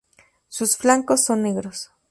Sus flancos son negros.